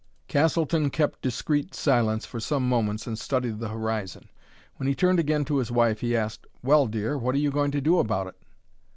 Castleton kept discreet silence for some moments and studied the horizon. When he turned again to his wife he asked, "Well, dear, what are you going to do about it?"